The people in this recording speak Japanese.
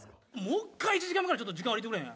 もう１回１時間目からちょっと時間割言ってくれへん？